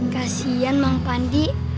kasian mak pandi